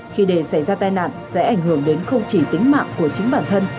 khi để xảy ra tai nạn sẽ ảnh hưởng đến không chỉ tính mạng của chính bản thân